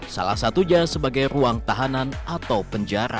salah satu saja sebagai ruang tahanan atau penjara